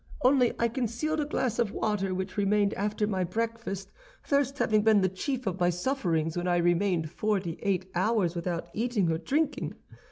"Only I concealed a glass of water, which remained after my breakfast, thirst having been the chief of my sufferings when I remained forty eight hours without eating or drinking.